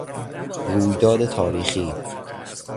رویداد تاریخی